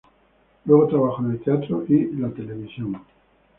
Luego trabajó en el teatro y la televisión.